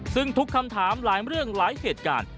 ซึ่งทุกคำถามหลายเรื่องหลายเหตุการณ์